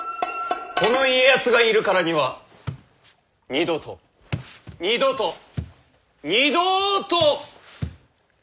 この家康がいるからには二度と二度と二度と！